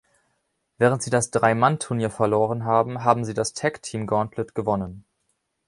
Während sie das Drei-Mann-Turnier verloren haben, haben sie das Tag-Team-Gauntlet gewonnen.